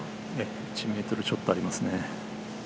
１ｍちょっとありますね。